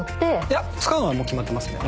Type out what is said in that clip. いや使うのはもう決まってますね。